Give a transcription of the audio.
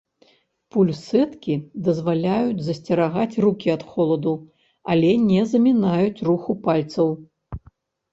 Пульсэткі дазваляюць засцерагаць рукі ад холаду, але не замінаюць руху пальцаў.